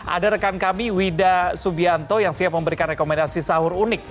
ada rekan kami wida subianto yang siap memberikan rekomendasi sahur unik